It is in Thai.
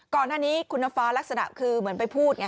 ก่อนหน้านี้คุณน้ำฟ้าลักษณะคือเหมือนไปพูดไง